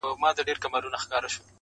اوس به څوك لېږي ميرا ته غزلونه؛